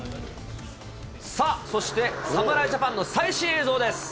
さあ、そして侍ジャパンの最新映像です。